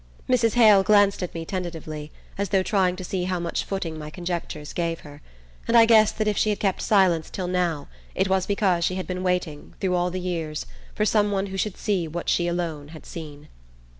Mrs. Hale glanced at me tentatively, as though trying to see how much footing my conjectures gave her; and I guessed that if she had kept silence till now it was because she had been waiting, through all the years, for some one who should see what she alone had seen.